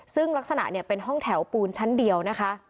ซึ่งลักษณะเนี่ยเป็นห้องแถวปูนชั้นเดียวนะคะ